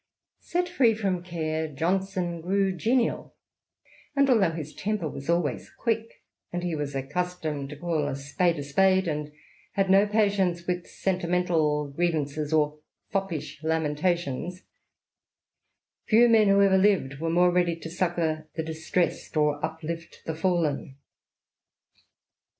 ,y Set free from care, Johnson gtrejf^enial, and althouglil his temper was always quick, and he was accustomed to call a spade a spade, and had no patience with sentimental grievances or "foppish lamentations," few raeti who ever lived were more ready to succour the distressed or uplift the fallen.